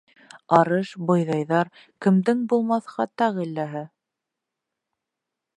Арыш, бойҙайҙар Кемдең булмаҫ хата-ғилләһе?